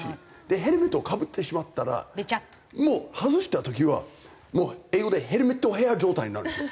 ヘルメットをかぶってしまったらもう外した時は英語でヘルメットヘア状態になるんですよ